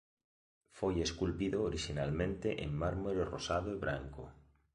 Foi esculpido orixinalmente en mármore rosado e branco.